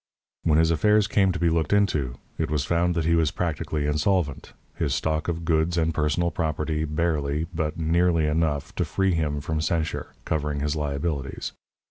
When his affairs came to be looked into, it was found that he was practically insolvent, his stock of goods and personal property barely but nearly enough to free him from censure covering his liabilities.